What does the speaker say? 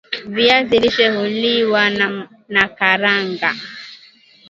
viazi lishe huliwa na nakaranga